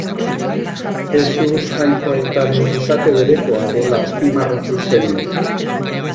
Jesus Jainko Aitaren izate berekoa dela azpimarratu zen.